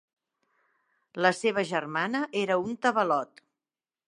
La seva germana era un tabalot.